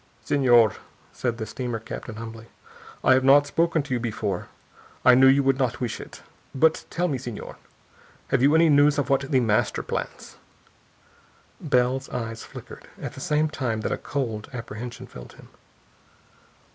"Señor," said the steamer captain humbly, "I have not spoken to you before. I knew you would not wish it. But tell me, senor! Have you any news of what The Master plans?" Bell's eyes flickered, at the same time that a cold apprehension filled him.